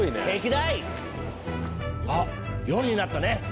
あっ夜になったね。